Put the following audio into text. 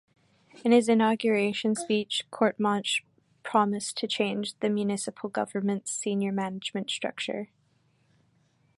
In his inauguration speech Courtemanche promised to change the municipal government's senior management structure.